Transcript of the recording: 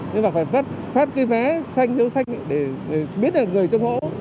nhưng mà phải phát cái vé xanh giấu xanh để biết là người trong ngõ